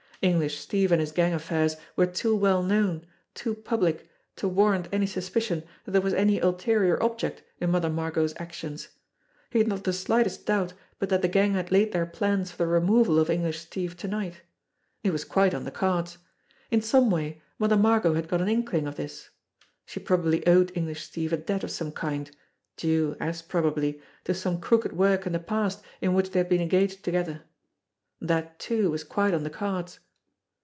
English Steve and his gang affairs were too well known, too public, to warrant any suspicion that there was any ulterior object in Mother Margot's actions. He had not the slightest doubt but that the gang had laid their plans for the removal of English Steve to night. It was quite on the cards. In some way Mother Margot had got an inkling of this. She probably owed English Steve a debt of some kind, due, as probably, to some crooked work in the past in which they had been engaged together. That, too, was quite on the cards.